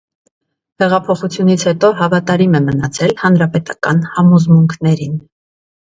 Հեղափոխությունից հետո հավատարիմ է մնացել հանրապետական համոզմունքներին։